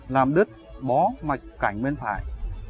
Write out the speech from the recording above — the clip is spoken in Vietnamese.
làm đứt bó mạch cảnh bên phải